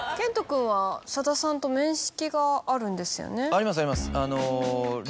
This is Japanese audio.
ありますあります。